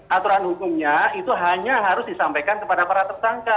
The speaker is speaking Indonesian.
aturan hukumnya itu hanya harus disampaikan kepada para tersangka